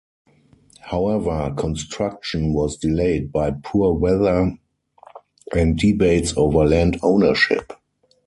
However, construction was delayed by poor weather and debates over land ownership.